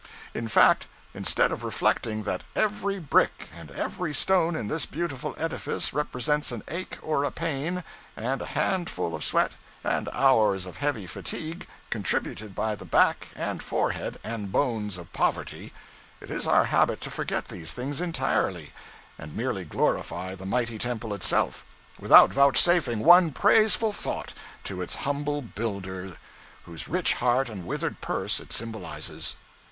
In fact, instead of reflecting that 'every brick and every stone in this beautiful edifice represents an ache or a pain, and a handful of sweat, and hours of heavy fatigue, contributed by the back and forehead and bones of poverty,' it is our habit to forget these things entirely, and merely glorify the mighty temple itself, without vouchsafing one praiseful thought to its humble builder, whose rich heart and withered purse it symbolizes.